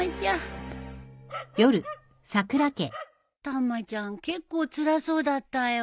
たまちゃん結構つらそうだったよ。